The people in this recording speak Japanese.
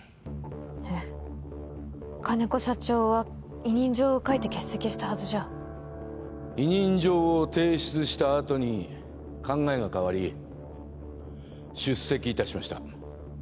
えっ金子社長は委任状を書いて欠席したはずじゃ委任状を提出したあとに考えが変わり出席いたしました